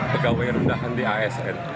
pegawai rendahan di asn